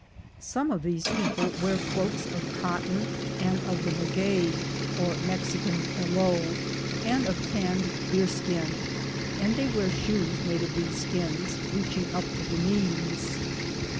Some of these people wear cloaks of cotton and of the maguey (or Mexican aloe) and of tanned deer skin, and they wear Bhoes made of these skins, reaching up to the knees.